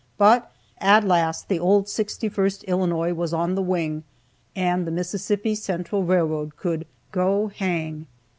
But at last the old 61st Illinois was on the wing, and the Mississippi Central Railroad could "go hang."